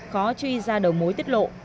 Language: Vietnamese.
khó truy ra đầu mối tiết lộ